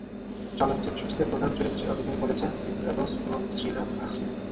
চলচ্চিত্রটিতে প্রধান চরিত্রে অভিনয় করেছেন ইন্দ্রানস এবং শ্রীনাথ ভাসি।